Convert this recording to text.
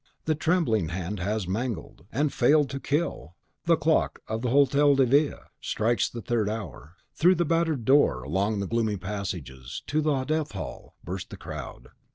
The trembling hand has mangled, and failed to kill! The clock of the Hotel de Ville strikes the third hour. Through the battered door, along the gloomy passages, into the Death hall, burst the crowd.